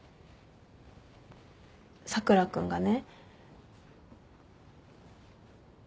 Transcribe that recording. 佐倉君がね。